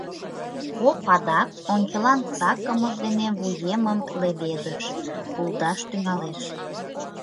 Поп адак, ончылан сакымыж дене вуемым леведыш, улдаш тӱҥалеш.